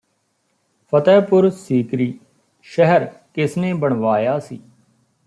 ਫਤਿਹਪੁਰ ਸੀਕਰੀ ਸ਼ਹਿਰ ਕਿਸਨੇ ਬਣਵਾਇਆ ਸੀ